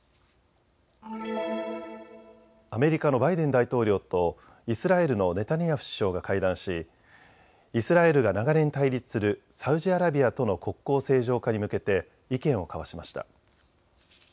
アメリカのバイデン大統領とイスラエルのネタニヤフ首相が会談しイスラエルが長年対立するサウジアラビアとの国交正常化に向けて意見を交わしました。